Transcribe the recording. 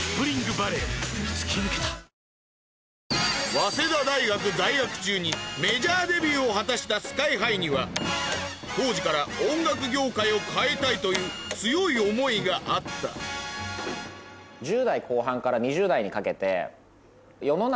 早稲田大学在学中にメジャーデビューを果たしたＳＫＹ−ＨＩには当時から音楽業界を変えたいという強い思いがあったそれってもう。